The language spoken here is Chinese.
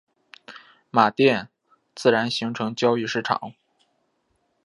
马甸自然形成交易市场。